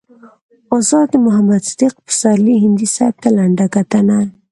اثار، د محمد صديق پسرلي هندي سبک ته لنډه کتنه